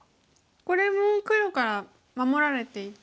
これも黒から守られていて。